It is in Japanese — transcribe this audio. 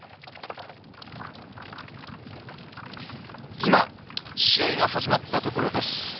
今、試合が始まったところです。